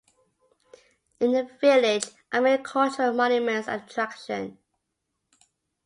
In the village are many cultural monuments and attraction.